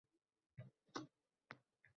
Kitti, svolish!